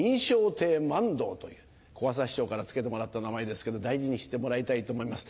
亭満堂という小朝師匠から付けてもらった名前ですけど大事にしてもらいたいと思います。